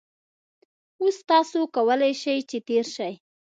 اوس تاسو کولای شئ چې تېر شئ